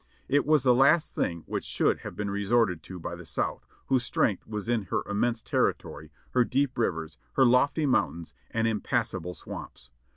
It was the last thing which should have been resorted to by the South, whose strength was in her immense territory, her deep rivers, her lofty mountains and impassable swamps.